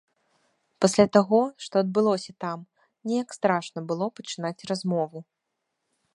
Пасля таго, што адбылося там, неяк страшна было пачынаць размову.